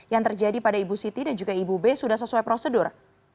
yang terjadi pada ibu siti dan juga ibu b sudah sesuai prosedur